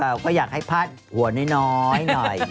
เขาก็อยากให้พลาดหัวน้อย